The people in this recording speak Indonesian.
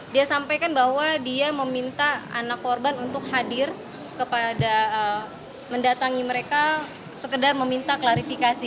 dia sampaikan bahwa dia meminta anak korban untuk hadir kepada mendatangi mereka sekedar meminta klarifikasi